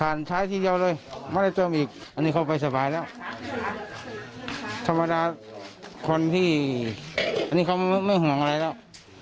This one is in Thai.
อันนี้เขาไปสบายแล้วธรรมดาคนที่อันนี้เขาไม่ห่วงอะไรแล้ว